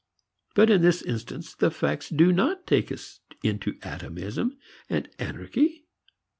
But in this instance the facts do not take us into atomism and anarchy.